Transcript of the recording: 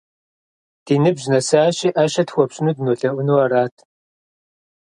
Ди ныбжь нэсащи, ӏэщэ тхуэпщӏыну дынолъэӏуну арат.